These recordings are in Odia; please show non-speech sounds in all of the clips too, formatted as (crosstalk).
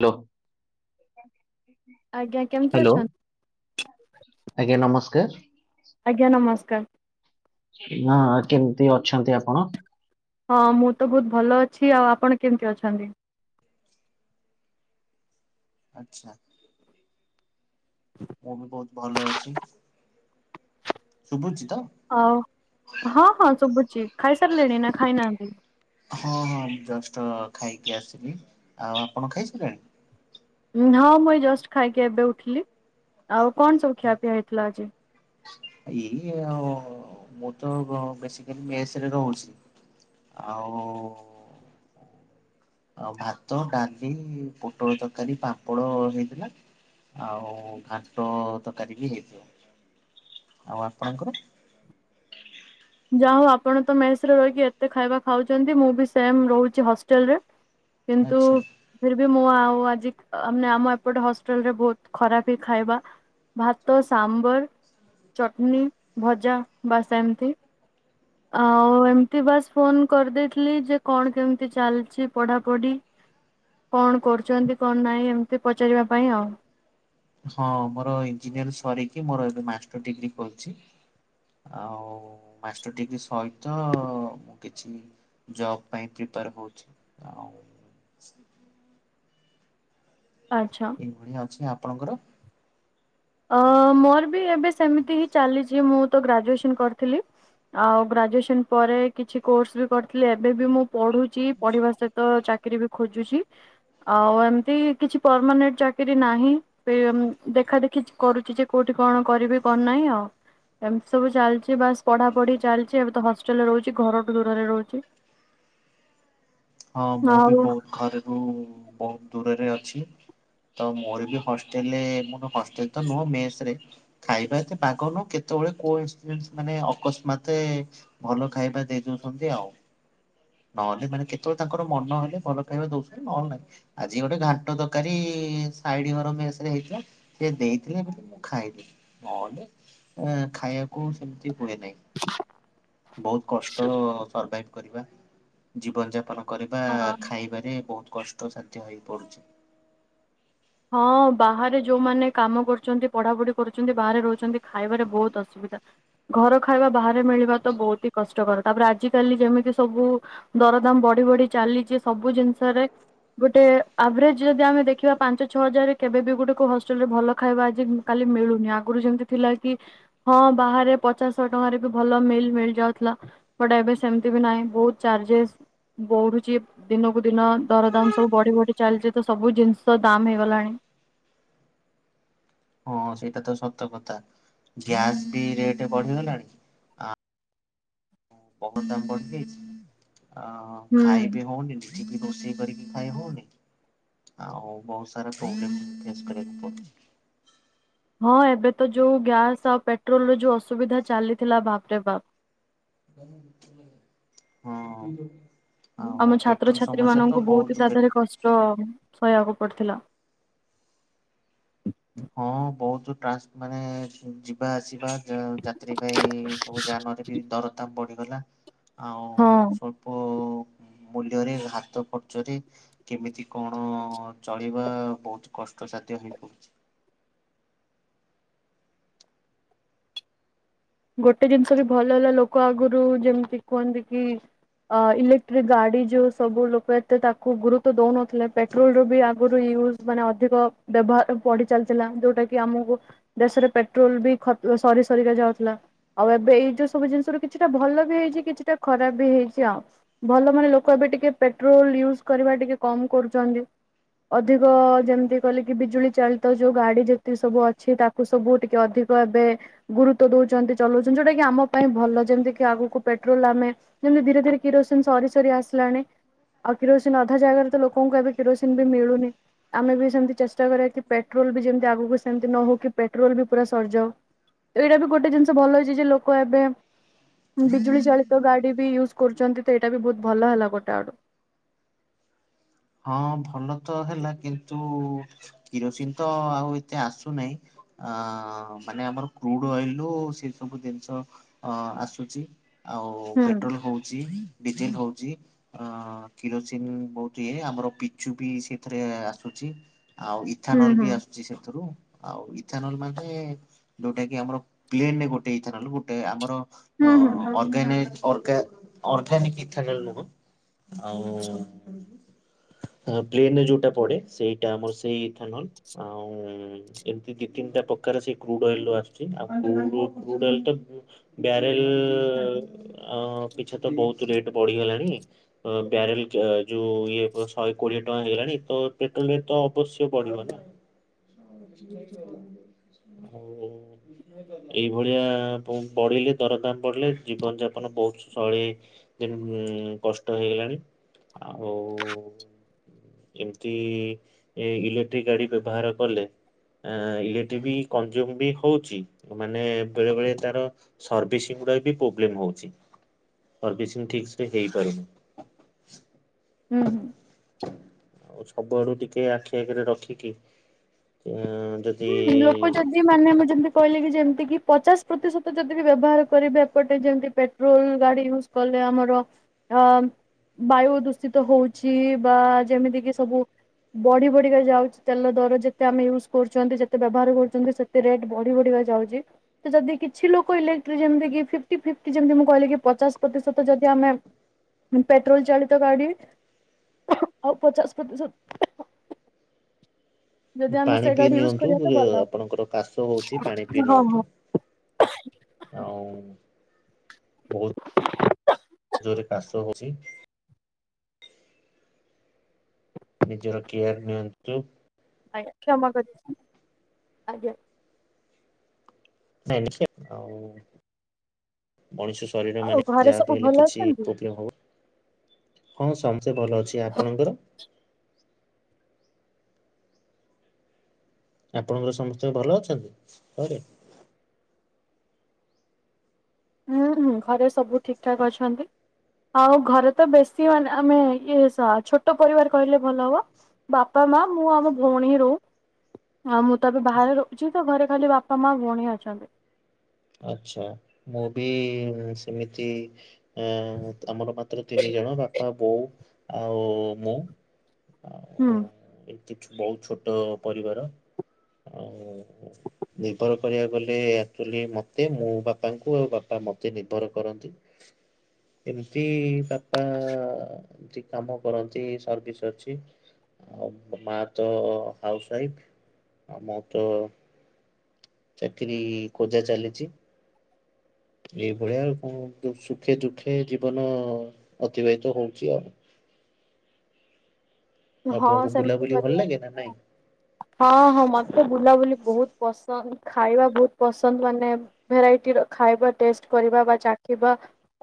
ହ୍ୟାଲୋ। ଆଜ୍ଞା କେମିତି ହ୍ୟାଲୋ ଅଛନ୍ତି? ଆଜ୍ଞା ନମସ୍କାର। ଆଜ୍ଞା ନମସ୍କାର। ନା କେମିତି ଅଛନ୍ତି ଆପଣ? ହଁ ମୁଁ ତ ବହୁତ ଭଲ ଅଛି ଆଉ ଆପଣ କେମିତି ଅଛନ୍ତି? ଆଚ୍ଛା। ହଁ ମୁ ବହୁତ ଭଲ ଅଛି ଶୁଭୁଛି ତ? ଆଉ ହଁ ହଁ ଶୁଭୁଛିି ଖାଇସାରିଲେଣି ନା ଖାଇନାହାନ୍ତି? ହଁ ହଁ ମୁ ଜଷ୍ଟ ଖାଇକି ଆସିଲି ଆଉ ଆପଣ ଖାଇସାରିଲେଣି? ହଁ ମୁଇଁ ଜଷ୍ଟ ଖାଇକି ଏବେ ଉଠିଲି ଆଉ କଣ ସବୁ ଖିଆପିଆ ହେଇଥିଲା ଆଜି? ଏଇ ଆଉ ମୁଁ ତ ବେସିକାଲି ମେସ୍‌ରେ ରହୁଛି। ଆଉ। ଆଉ ଭାତ ଡାଲି ପୋଟଳ ତରକାରୀ ପାମ୍ପଡ଼ ହେଇଥିଲା। ଆଉ ଘାଣ୍ଟ ତରକାରୀ ବି ହେଇଥିଲା ଆଉ ଆପଣଙ୍କର? ଯା ହଉ ଆପଣ ତ ମେସ୍‌ରେ ରହିକି ଏତେ ଖାଇବା ଖାଉଛନ୍ତି ମୁଁ ବି ସେମ୍ ରହୁଛି ହଷ୍ଟେଲ୍‌ରେ। କିନ୍ତୁ। ଆଚ୍ଛା ଫିର୍ବି ମୁଁ ଆଉ ଆଜି ମେ ଆମ ଏପଟେ ହଷ୍ଟେଲରେ ବହୁତ ଖରାପ ହି ଖାଇବା। ଭାତ ସାମ୍ବର ଚଟ୍ନୀ ଭଜା ବାସ୍ ସେମିତି। ଆଉ ଏମିତି ବାସ୍ ଫୋନ୍ କରିଦେଇଥିଲି ଯେ କଣ କେମିତି ଚାଲିଛି ପଢ଼ାପଢ଼ି। କଣ କରୁଛନ୍ତି କଣ ନାହିଁ ଏମିତି ପଚାରିବା ପାଇଁ ଆଉ। ହଁ ମୋର ଇଞ୍ଜିନିୟର ସରିକି ମୋର ଏବେ ମାଷ୍ଟର ଡିଗ୍ରୀ କରୁଛି। ଆଉ ମାଷ୍ଟର ଡିଗ୍ରୀ ସହିତ ମୁଁ କିଛି ଜବ୍ ପାଇଁ ପ୍ରିପେୟାର ହଉଛି। (inaudible) ସ୍ପ (unintelligible) ଆଚ୍ଛା। ଏଇଭଳିଆ ଅଛି ଆପଣଙ୍କର? ଅ ମୋର ବି ଏବେ ସେମିତି ହିଁ ଚାଲିଛି ମୁଁ ତ ଗ୍ରାଜୁଏସନ କରିଥିଲି। ଆଉ ଗ୍ରାଜୁଏସନ ପରେ କିଛି କୋର୍ସ ବି କରିଥିଲି ଏବେ ବି ମୁଁ ପଢୁଛି ପଢିବା ସହିତ ତ ଚାକିରୀ ବି ଖୋଜୁଛି। ଆଉ ଏମିତି କିଛି ପରମାନେଣ୍ଟ ଚାକିରିୀ ନାହିଁ ପେ ଦେଖା ଦେଖି। କିଛି କରୁଛି ଯେ କୋଉଠି କଣ କରିବି କରନାହିଁ ଆଉ। ଏମିତି ସବୁ ଚାଲିଛି ବାସ ପଢା ପଢି ଚାଲିଛି ଏବେ ତ ହଷ୍ଟେଲରେ ରହୁଛି ଘରଠୁ ଦୂରରେ ରହୁଛି। ହଁ ମୁଁ ବି ଆଉ ବହୁତ ଘରେରୁ ବହୁତ ଦୂରରେ ଅଛି। ତ ମୋର ବି ହଷ୍ଟେଲରେ ମୋର ହଷ୍ଟେଲ ତ ନୁହଁ ମେସ୍‌ରେ। ଖାଇବା ଏତେ ପା ଗନୁ କେତେବେଳେ କୋଇନସିଡେଣ୍ଟ ମାନେ ଅକସ୍ମାତ୍। ଭଲ ଖାଇବା ଦେଇ ଦଉଛନ୍ତି ଆଉ ନହେଲେ ମାନେ କେତେ ଯେତେବେଳେ ତାଙ୍କର ମନ ହେଲେ ଭଲ ଖାଇବା ଦଉଛନ୍ତି ନହଲେ ନାଇଁ। ଆଜି ଗୋଟେ ଘାଣ୍ଟ ତରକାରୀ ସାଇଡ ଘର ମେସରେ ହେଇଥିଲା। ସିଏ ଦେଇଥିଲା ବୋଲି ମୁଁ ଖାଇଲି। ନହେଲେ ଖାଇବାକୁ ସେମିତି ହୁଏ ନାହିଁ। ବହୁତ କଷ୍ଟ ସର୍ଭାଇଭ କରିବା ଜୀବନଯାପ କରିବା ହଁ। ଖାଇବାରେ ବହୁତ କଷ୍ଟସାଧ୍ୟ ହେଇପଡୁଛି। ହଁ ବାହାରେ ଯୋଉମାନେ କାମ କରୁଛନ୍ତି ପଢାପଢି କରୁଛନ୍ତି ବାହାରେ ରହୁଛନ୍ତି ଖାଇବାରେ ବହୁତ ଅସୁବିଧା। ଘର ଖାଇବା ବାହାରେ ମିଳିବା ତ ବହୁତ ହି କଷ୍ଟକର ତାପରେ ଆଜିକାଲି ଯେମିତି ସବୁ ଦରଦାମ ବଢି ବଢି ଚାଲିଛି ସବୁ ଜିନିଷରେ। ଗୋଟେ ଆଭରେଜ ଯଦି ଆମେ ଦେଖିବା ପାଞ୍ଚ ଛଅ ହଜାରରେ କେବେ ବି ଗୋଟେ କୋଉ ହଷ୍ଟେଲ ରେ ଭଲ ଖାଇବା ଆଜି କାଲି ମିଳୁନି ଆଗରୁ ଯେମିତି ଥିଲା କି ହଁ ବାହାରେ ପଚାଶ ଶହ ଟଙ୍କାରେ ବି ଭଲ ମିଲ୍ ମିଳି ଯାଉଥିଲା। ବଟ ଏବେ ସେମିତି ବି ନାହିଁ ବହୁତ ଚାର୍ଜେସ୍। ବଢୁଛି ଦିନକୁ ଦିନ ଦରଦାମ ସବୁ ବଢି ବଢି ଚାଲିଛି ତ ସବୁ ଜିନିଷ ଦାମ ହେଇ ଗଲାଣି। ହଁ ସେଇଟା ତ ସତ କଥା ଗ୍ୟାସ୍ ବି ରେଟ୍ ବଢିଗଲାଣି। ବହୁଦାମ ବଢଯାଇଛି ଆ ହୁଁ ଖାଇ ବି ହଉନି। (unintelligible) ରୋଷେଇ କରିକି ଖାଇ ହଉନି। ଆଉ ବହୁତ ସାରା ପ୍ରୋବଲେମ୍ ଫେସ କରିବାକୁ ପଡଚି। ହଁ ଏବେ ତ ଯୋଉ ଗ୍ୟାସ ଆଉ ପେଟ୍ରୋଲ ର ଯୋଉ ଅସୁବିଧା ଚାଲିଥିଲା ବାପ ରେ ବାପ୍। ହଁ। ଆଉ ଆମ ପେଟ୍ରୋଲ ଛାତ୍ରଛାତ୍ରୀ ସମସ୍ୟା ତ ମାନଙ୍କୁ ବହୁତ ତା ପେ ଦେହରେ କଷ୍ଟ ସହିବାକୁ ପଡିଥିଲା। ହଁ ବହୁତ ଟ୍ରାକ୍ସ ମାନେ ଯିବା ଆସିବା ଯାତ୍ରୀ ପାଇଁ ସବୁ ଯାନରେ ବି ଦର ଦାମ ବଢିଗଲା, ହଁ ଆଉ ମୂଲ୍ୟରେ ହାତ ଖର୍ଚ୍ଚରେ କେମିତି କଣ ଚଳିବା ବହୁତ କଷ୍ଟସାଧ୍ୟ ହେଇପଡୁଛି। ଗୋଟେ ଜିନିଷ ବି ଭଲ ହେଲା ଲୋକ ଆଗରୁ ଯେମିତି କୁହନ୍ତି କି ଅ ଇଲେକ୍ଟ୍ରିକ ଗାଡି ଯୋଉ ସବୁ ଲୋକ ଏତେ ତାକୁ ଗୁରୁତ୍ୱ ଦଉନଥିଲେ ପେ ପେଟ୍ରୋଲରୁ ଆଗରୁ ୟୁଜ ମାନେ ଅଧିକ ବ୍ୟବହାର ବଢି ଚାଲିଥିଲା ଜୋଉଟା କି ଆମକୁ ଦେଶରେ ପେଟ୍ରୋଲ ବି ଖ ସରି ସରିକା ଯାଉଥିଲା। ଆଉ ଏବେ ଏଇ ଯୋଉ ସବୁ ଜିନିଷ ର କିଛିଟା ଭଲ ବି ହେଇଛି କିଛିଟା ଖରାପ ବି ହେଇଛି ଆଉ। ଭଲ ମାନେ ଲୋକ ଏବେ ଟିକେ ପେଟ୍ରୋଲ ୟୁଜ କରିବା ଟିକେ କମ କରୁଛନ୍ତି। ଅଧିକ ଯେମିତି କହି ଲେ କିି ବିଜୁଳି ଚାଳିତ ଯୋଉ ଗାଡି ଯେତିକି ସବୁ ଅଛି ତା ସବୁ ଟିକେ ଅଧିକ ଏବେ ଗୁରୁତ୍ୱ ଦଉଛନ୍ତି। ଚଲଉଛନ୍ତି ଯଉଟା କିି ଆମ ପାଇଁ ଭଲ ଯେମିତିକି ଆଗକୁ ପେଟ୍ରୋଲ ଆମେ ଯେମତି ଧୀରେ ଧୀରେ କିରୋସିନ ସରି ସରି ଆସିଲାଣି ଆଉ କିରୋସିନ ଅଧା ଜାଗାରେ ତ ଲୋକଙ୍କୁ ଏବେ କିରୋସିନ ବି ମିଳୁନି। ଆମେ ବି ସେମିତି ଚେଷ୍ଟା କରିବା କି ପେଟ୍ରୋଲ ବି ଯେମିତି ଆଗକୁ ସେମିତି ନ ହଉ କି ପେଟ୍ରୋଲ ବି ପୁରା ସରିଯାଉ। ଏଇଟା ବି ଗୋଟେ ଜିନିଷ ଭଲ ହେଇଛି ଯେ ଲୋକ ଏବେ ବିଜୁଳି ଚାଳିତ ଗାଡି ବି ୟୁଜ୍ କରୁଛନ୍ତି ତ ଏଇଟା ବି ବହୁତ ଭଲ ହେଲା ଗୋଟେ ଆଡୁ। ହଁ ଭଲ ତ ହେଲା କିନ୍ତୁ କିରୋସିନ ତ ଆଉ ଏତେ ଆସୁନାହିଁ। ଅ ମାନେ ଆମର କ୍ରୁଡ ଅଏଲ ସେ ସବୁ ଜିନିଷ ଅ ଆସୁଛି। ଆଉ ହୁଁ ପେଟ୍ରୋଲ ହଉଛି, ଡିଜେଲ ହଉଛି ଅ କିରୋସିନ ବହୁତ ଆମର ପିଚୁ ବି ସେଥିରେ ଆସୁଛି ଆଉ ହୁଁ ଇଥାନଲ ହୁଁ ବି ଆ ସେଥିରୁ ଆଉ ଇଥାନଲ ମାନେ ଯୋଉଟା କି ଆମର ପ୍ଲେନରେ ଗୋଟେ ଇଥାନଲ ଗୋଟେ ଆମର ହୁଁ ହୁଁ ହୁଁ ଅର୍ଗାନ ଅର୍ଗାନିକ ଇଥାନଲ ନୁହଁ ଆଉ ହଁ ପ୍ଲେନ୍ ରେ ଯୋଉଟା ପଡେ ସେଇଟା ଆମର ସେଇ ଇଥାନଲ୍, ଆଉ ହୁଁ, ଏମତି ଦି ତିନିଟା ପକାର ସେଇ କ୍ରୁଡ୍ ଅଏଲ୍ ର ଆସୁଛି, ଆଉ କ୍ରୁଡ୍ ରୁ କ୍ରୁଡ୍ ଅଏଲ୍ ଟାକୁ ବ୍ୟାରେଲ୍ ପିଛା ତ ବହୁତ ରେଟ୍ ବଢିଗଲାଣି। ଅ ବ୍ୟାରେଲ୍ କ୍ୟା ଯୋଉ ଇଏ ପ ଶହେ କୋଡିଏ ଟଙ୍କା ହେଇଗଲାଣି, ତ ପେଟ୍ରୋଲ୍ ରେଟ୍ ତ ଅବଶ୍ୟ ବଢିବ ନା। (unintelligible) ହଉ ହଉ। ଏଇଭଳିଆ ବଢିଲେ ଦରଦାମ୍ ବଢିଲେ ଜିବନ ଯାପନ ବହୁତ ସୈଳି ଦେନ୍ ଉଁ କଷ୍ଟ ହେଇଗଲାଣି ଆଉ ଏମିତି ଏ ଇଲେକ୍ଟ୍ରି ଗାଡି ବ୍ୟବହାର କଲେ। ଆଁ ଇଲେକ୍ଟ୍ରି ବି କଞ୍ଜୁମ୍ ବି ହଉଛି ମାନେ ବେଳେବେଳେ ତାର ସର୍ଭିସିଂଗୁଡ଼ା ବି ପ୍ରୋବ୍ଲେମ୍ ହଉଛି, ସର୍ଭିସିଂ ଠିକ୍ ସେ ହେଇପାରୁନି। ହୁଁ ହୁଁ। ଆଉ ସବୁଆଡୁ ଟିକେ ଆଖି ଆଗେରେ ରଖିକି ଯଦି ହୁଁ ଲୋକ ଯଦି ମାନେ ମୁଁ ଜେମତି କହିଲିକି ଜେମତିକିି, ପଚାସ୍ ପ୍ରତିଶତ ଜଦିବି ବ୍ୟବହାର କରିବେ ଏପଟେ ଜେମିତି ପେ ରୋଲ ଗାଡି ୟୁଜ୍ କଲେ ଆମର ଅ ବାୟୁ ଦୂଷିତ ହୋଉଚି ବା ଯେମିତି କିି ସବୁ ବଢି ବଢିକା ଯାଉଚି ତେଲ ଦର ଯେତେ ଆମେ ୟୁଜ୍ କରୁ ଚନ୍ତି ଯେତେ ବ୍ୟବହାର କରୁଚନ୍ତି ସେତେ ରେଟ୍ ବଢି ବଢିକା ଯାଉଚି। ଜଦି କିଛି ଲୋକ ଇଲେକ୍ଟ୍ରି ଯେମତିକି ଫିପ୍ଟି ଫିପ୍ଟି ଯେମତି ମୁଁ କହିଲି କି ପଚାଶ ପ୍ରତିଶତ ଯଦି ଆମେ ହୁଁ ପେଟ୍ରୋଲ୍ ଚାଳିତ ଗାଡି ଆଉ ପଚାଶ ପ୍ରତିଶତ ଯଦି ଆମେ ପାଣି ସେ ପିଇ ଗାଡି ୟୁଜ ନିଅନ୍ତୁ କରିବା ତ ଭଲ। ଆପଣଙ୍କର କାଶ ହୋଉଚି ପାଣି ପିଇ ହଁ ହଁ। ନିଅନ୍ତୁ। ଆଉ ବୋହୁତ ଜୋରେ କାଶ ହୋଉଚି। ନିଜର କେୟାର୍ ନିଅନ୍ତୁ। ଆଜ୍ଞା କ୍ଷମା କରିବେ ଆଜ୍ଞାା। ନାଇଁ ନିଶ୍ଚୟ (unintelligible) ଆଉ ମଣିଷ ସ ଶରିର ଆଉ ମାନେ ଘରେ ଯାହା ସବୁ ବି ହେଲେ ଭଲ କିଛି ଅଛନ୍ତି? ପ୍ରୋବଲେମ୍ ହବନି। ହଁ ସମସ୍ତେ ଭଲ ଅଛି ଆପଣଙ୍କର? ଆପଣଙ୍କର ସମସ୍ତେ ଭଲ ଅଛନ୍ତି ଘରେ। ହୁଁ ହୁଁ ଘରେ ସବୁ ଠିକ୍ ଠାକ୍ ଅଛନ୍ତି। ଆଉ ଘରେ ତ ବେଶି ମାନେ ଆମେ ଇଏ ଛୋଟ ପରିବାର କହିଲେ ଭଲ ହବ। ବାପା, ମା, ମୁଁ ଆମ ଭଉଣୀ ହିଁ ରହୁ। ଆଉ ମୁଁ ତ ଏବେ ବାହାରେ ରହୁଚି ତ ଘରେ ଖାଲି ବାପା, ମା, ଭଉଣୀ ଅଛନ୍ତି। ଆଛା ମୁଁ ବି ସେମିତି ଆଁ ଆମର ମାତ୍ର ତିନି ଜଣ ବାପା, ବୋଉ ଆଉ ମୁଁ। ହୁଁ ଆଉ ଏଇ ବୋହୁତ ଛୋଟ ପରିବାର। ଆଉ ନିର୍ଭର କରିବାକୁ ଗଲେ ଆକ୍ତୁଆଲି ମତେ ତେ ମୋ ବାପାଙ୍କୁ ଆଉ ବାପା ମତେ ନିର୍ଭର କରନ୍ତି ଏମିତି ବା ପା ଏମିତି କାମ କରନ୍ତି ସର୍ଭିସ୍ ଅଛି। ଆଉ ମା ତ ହାଉସ୍ ୱାଇଫ୍ ଆଉ ମୁଁ ତ ଚାକିରି ଖୋଜା ଚାଲିଚି। ଏଇଭଳିଆଉ ସୁଖେ ଦୁଖେ ଜୀବନ ଅତିବାହିତ ହୋଉଚି ଆଉ। ହଁ ଆପଣଙ୍କୁ ସେମିତି ବୁଲାବୁଲି ଭଲ କରିବା ଲାଗେ ନା ନାଇଁ? କଥା। ହଁ ହଁ ମତେ ବୁଲାବୁଲି ବୋହୁତ୍ ପସନ୍ଦ। ଖାଇବା ବୋହୁତ ପସନ୍ଦ ମାନେ ଭେରାଇଟି ଖାଇବା ଟେଷ୍ଟ କରିବା ବା ଚାଖିବା।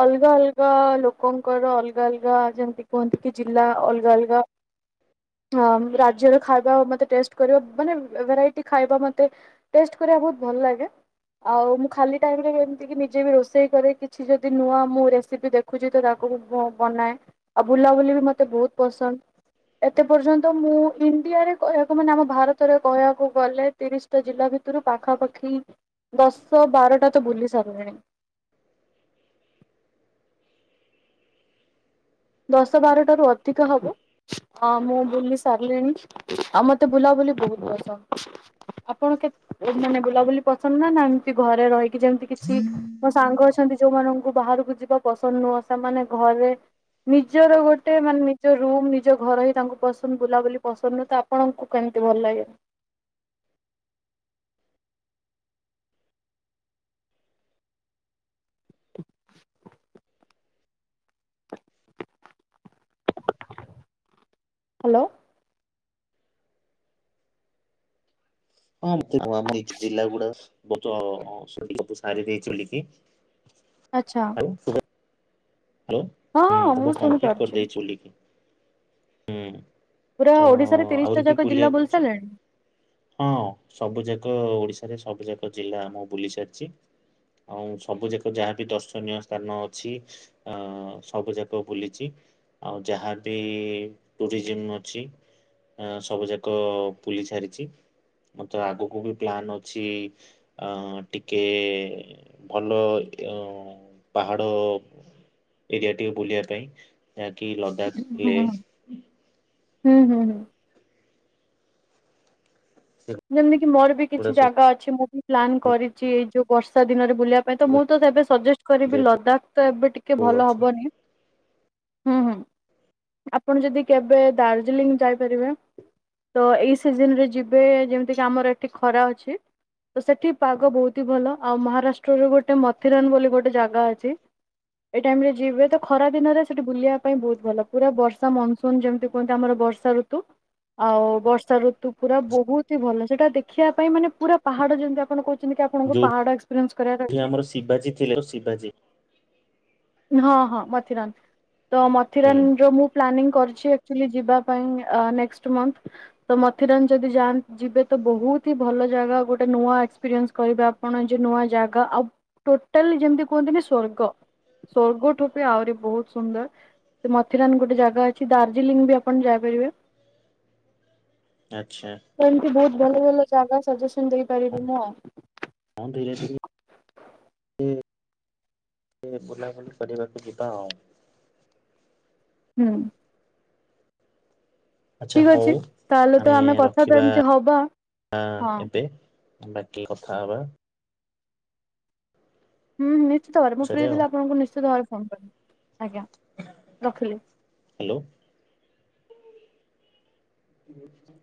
ଅଲଗା ଅଲଗା ଲୋକଙ୍କର ଅଲଗା ଅଲଗା ଯେମିତି କୁହନ୍ତି କି ଜିଲ୍ଲା ଅଲଗା ଅଲଗା ହଁ ରାଜ୍ୟରେ ଖାଇବା ମତେ ଟେଷ୍ଟ କରିବା ମାନେ ଭେରାଇଟି ଖାଇବା ମତେ ଟେଷ୍ଟ କରିବାକୁ ବୋହୁତ ଭଲ ଲାଗେ। ଆଉ ମୁଁ ଖାଲି ଟାଇମ ରେ ଏମିତି କିି ନିଜେ ବି ରୋଷେଇ କରେ କିଛି ଯଦି ନୂଆ ମୁଁ ରେସିପି ଦେଖ ଦେଖୁଚି ତ ତାକୁ ବନାଏ ଆଉ ବୁଲାବୁଲି ବି ମତେ ବିହୁତ ପସନ୍ଦ। ଏତେ ପର୍ଯ୍ୟନ୍ତ ମୁଁ ଇଣ୍ଡିଆରେ କହିବାକୁ ମାନେ ଆମ ଭାରତରେ କହିବାକୁ ଗଲେ ତିରିଶଟା ଜିଲ୍ଲା ଭିତରୁ ପାଖାପାଖି ଦଶ ବାରଟା ତ ବୁଲି ସାରିଲାଣି। ଦଶ ବାରଟାରୁ ଅଧିକ ହବ। ହଁ ମୁଁ ବୁଲି ସାରିଲିଣି ଆଉ ମତେ ବୁଲାବୁଲି ବୋହୁତ ପସନ୍ଦ। ଆପଣ କେତ ମାନେ ବୁଲାବୁଲି ପସନ୍ଦ ନା ନା ଏମିତି ଘରେ ରହିକି ଯେମିତି କିଛି ମୋ ସାଙ୍ଗ ଅଛନ୍ତି ଯୋଉମାନଙ୍କୁ ବାହାରକୁ ଯିବା ପସନ୍ଦ ନୁହଁ ସେମାନେ ଘରେ ନିଜର ଗୋଟେ ମାନେ ନିଜ ରୁମ୍ ନିଜ ଘର ହିଁ ତାଙ୍କୁ ପସନ୍ଦ ବୁଲାବୁଲି ପସନ୍ଦ ନୁଁ ତା ଆପଣଙ୍କୁ କେମିତି ଭଲ ଲାଗେ? ହ୍ୟାଲୋ। ହଁ ଆଉ ଆମ ଏଇ ଜିଲ୍ଲା ଗୁଡା ବହୁତ ସବୁ ସାରି ଦେଇଚି ବୁଲିକି ଆଚ୍ଛା। (inaudible) ହ୍ୟାଲୋ ହଁ ହୁଁ ହଁ ତ ମୁଁ କମ୍ପ୍ଲିଟ ଶୁଣିପାରୁଛି କରିଦେଇଛି ବୋଲିକି। ହୁଁ ପୁରା ତ ଓଡିଶାରେ ତିରିଶ ଟା ଆହୁରି ବି ଯାକ ଜିଲ୍ଲା ବୁଲିଆକୁ ବୁଲି ଅଛି ସାରିଲେଣି? ହଁ ସବୁ ଯାକ ଓଡିଶାରେ ସବୁ ଯାକ ଜିଲ୍ଲା ମୁଁ ବୁଲି ସାରିଛି। ଆଉ ସବୁଯାକ ଯାହା ବିି ଦର୍ଶନୀୟ ସ୍ଥାନ ଅଛି ଅ ସବୁ ଯାକ ବୁଲିଛି ଆଉ ଯାହା ବି ଟୁରିଜିମ ଅଛି ଆ ସବୁ ଯାକ ବୁଲି ସାରିଛି। ମତେ ଆଗକୁ ବି ପ୍ଲାନ୍ ଅଛି ଅ ଟିକେ ଭଲ ଅ ପାହାଡ ଏରିଆ ଟିକେ ବୁଲିବା ପାଇଁ ଯାହାକି ଲଦାଖ ଉଁ ହୁଁ ଲେ ହୁଁ ହୁଁ ହୁଁ। ଯେମିତି କିି ମୋର ବି କିଛି ସେଗୁଡା ଜାଗା ଅଛି ମୁଁ ବି ପ୍ଲାନ୍ ସବୁ କରିଛି ଏଇ ଯୋଉ ବର୍ଷା ଦିନରେ ବୁଲିଆ ପାଇଁ ତ ମୁଁ ତ ଏବେ ସଜେଷ୍ଟ କରିବି ଲଦାଖ ତ ଏବେ ଟିକେ କୁ ଭଲ ଅଛି ହବନି। ହୁଁ ହୁଁ ଆପଣ ଯଦି କେବେ ଦାର୍ଜିଲିଂ ଯାଇପାରିବେ ତ ଏଇ ସିଜନରେ ଯିବେ ଯେମିତି କି ଆମର ଏଠି ଖରା ଅଛି ତ ସେଠି ପାଗ ବହୁତ ହି ଭଲ ଆଉ ମହାରାଷ୍ଟ୍ରର ଗୋଟେ ମଥିରାନ୍ ବୋଲି ଗୋଟେ ଜାଗା ଅଛି ଏଇ ଟାଇମ ରେ ଯିବେ ତ ଖରା ଦିନରେ ସେଠି ବୁଲିବା ପାଇଁ ବହୁତ ଭଲ ପୁରା ବର୍ଷା ମନ୍ ଶୁନ ଯେମିତି କୁହନ୍ତି ଆମର ବର୍ଷା ଋତୁ ଆଉ ବର୍ଷା ଋତୁ ପୁରା ବହୁତ ହି ଭଲ ସେଇଟା ଦେଖିବା ପାଇଁ ମାନେ ପୁରା ପାହାଡ ଯେମିତି ଆପଣ କହୁଛନ୍ତି କି ଆପଣଙ୍କୁ ଯୋଉଠି ପାହାଡ ଏକ୍ସପିରିଏନ୍ସ କରିବାର ଅଛି ଆମର ଶିବାଜୀ ଥିଲେ ଆଉ ଶିବାଜୀ ହଁ ହଁ ମଥିରାନ୍ ତ ହୁଁ ମଥିରାନରେ ମୁଁ ପ୍ଲାନିଂ କରିଛୁ ଆକଚୁଆଲି ଯିବା ପାଇଁ ଅ ନେକ୍ସଟ୍ ମନ୍ଥ ତ ମଥିରାନ୍ ଯଦି ଯାନ ଯିବେ ତ ବହୁତ ହି ଭଲ ଜାଗା ଗୋଟେ ନୂଆ ଏକ୍ସପିରିଏନ୍ସ କରିବେ ଆପ ପଣ ଯେ ନୂଆ ଜାଗା ଆଉ ଟୋଟାଲି ଯେମିତି କୁହନ୍ତିନି ସ୍ଵର୍ଗ। ସ୍ୱର୍ଗ ଠୁ ବି ଆହୁରି ବହୁତ ସୁନ୍ଦର। ସେ ମଥିରାନ ଗୋଟେ ଜାଗା ଅଛି ଦାର୍ଜିଲିଂ ବି ଆପଣ ଯାଇପାରିବେ। ଆଛା। ଏମତି ବହୁତ ଭଲ ଭଲ ଜାଗା ସଜେସନ ଦେଇପାରିବି ମୁଁ ଆଉ। (inaudible) କେବେ ବୁଲାବୁଲି କରିବାକୁ ଯିବା ଆଉ ହୁଁ। ଆଚ୍ଛା ଠିକ ହଉ ଅଛି। ତାହେଲେ ଆମେ ତ କଥା ତ ରଖିବା ଏମିତି ହବା ହଁ ଏବେ ବାକି କଥା ହବା। ହୁଁ ନିଶ୍ଚିତ ଭାବରେ ମୁଁ ଫ୍ରି ପଛରେ ଆଉ ଥିଲି ଆପଣଙ୍କୁ ନିଶ୍ଚିତ ଭାବରେ ଫୋନ୍ କରିବି ଆଜ୍ଞା ରଖିଲି। ହ୍ୟାଲୋ। ହୁଁ